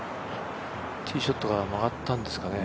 ティーショットが曲がったんですかね。